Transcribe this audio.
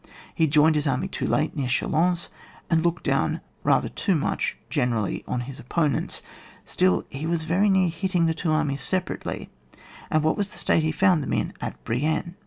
He joined his army too late near Chalons, and looked down rather too much, generally, on his opponents, still he was very near hitting the two armies separately ; and what was the state he found them in at Brienne?